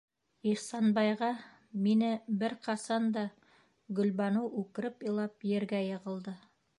Ихсанбайға... мине... бер ҡасан да, - Гөлбаныу үкереп илап ергә йығылды.